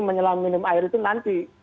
menyelam minum air itu nanti